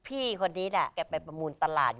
พี่คนนี้เค้าเข้าไปประมูลตลาด